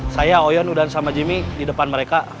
saya oyon dan jimmy di depan mereka